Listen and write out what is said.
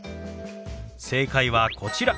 正解はこちら。